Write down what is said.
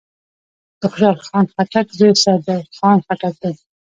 دخوشحال خان خټک زوی صدرخان خټک دﺉ.